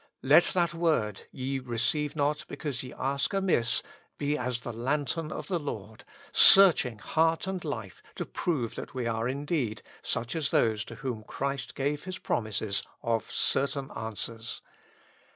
Let that word, " Ye receive not, be cause ye ask amiss," be as the lantern of the Lord, searching heart and life to prove that we are indeed such as those to whom Christ gave His promises of certain answers.